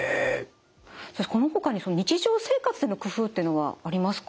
このほかに日常生活での工夫っていうのはありますか？